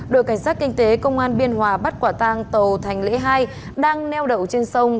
đội cảnh sát kinh tế công an biên hòa bắt quả tang tàu thành lễ hai đang neo đậu trên sông